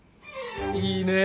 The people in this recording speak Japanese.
いいねぇ！